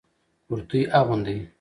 کرتي اغوندئ